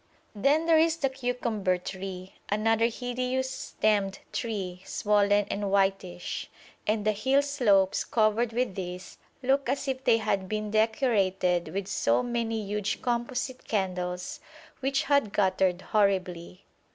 Then there is the cucumber tree, another hideous stemmed tree, swollen and whitish; and the hill slopes covered with this look as if they had been decorated with so many huge composite candles which had guttered horribly.